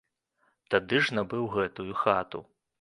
Тады ж набыў гэтую хату.